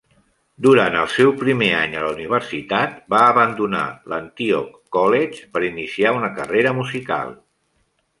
Durant el seu primer any a la universitat, va abandonar l'Antioch College per iniciar una carrera musical.